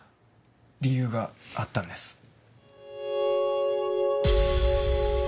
理由があったんです。